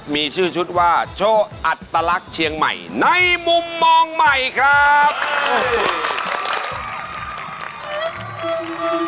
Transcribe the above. มีชื่อชุดว่าโชว์อัตลักษณ์เชียงใหม่ในมุมมองใหม่ครับ